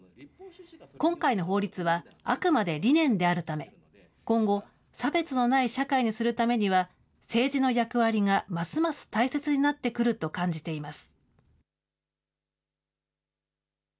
今回の法律はあくまで理念であるため、今後、差別のない社会にするためには、政治の役割がますます大切になってくると感じています。